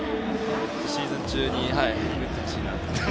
シーズン中に打ってほしいなって。